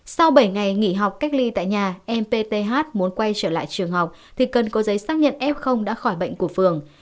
sau bảy ngày nghỉ học cách ly tại nhà em pth muốn quay trở lại trường học thì cần có giấy xác nhận f đã khỏi bệnh của phường